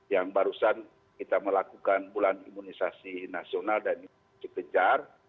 yang barusan kita melakukan bulan imunisasi nasional dan ini dikejar